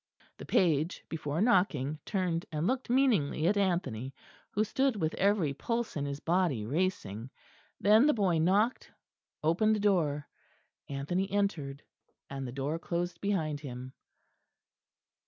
The page, before knocking, turned and looked meaningly at Anthony, who stood with every pulse in his body racing; then the boy knocked, opened the door; Anthony entered, and the door closed behind him.